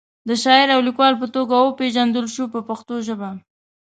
د شاعر او لیکوال په توګه وپیژندل شو په پښتو ژبه.